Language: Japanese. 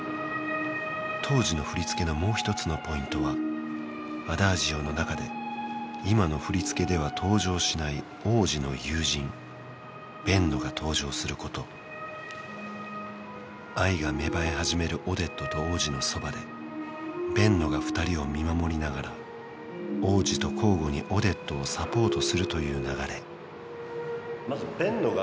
当時の振り付けのもう一つのポイントはアダージオの中で今の振り付けでは登場しない王子の友人ベンノが登場すること愛が芽生え始めるオデットと王子のそばでベンノが二人を見守りながら王子と交互にオデットをサポートするという流れ